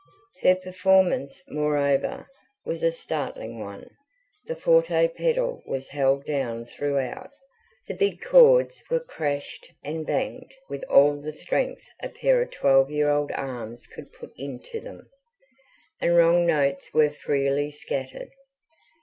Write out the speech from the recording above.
Her performance, moreover, was a startling one; the forte pedal was held down throughout; the big chords were crashed and banged with all the strength a pair of twelve year old arms could put into them; and wrong notes were freely scattered.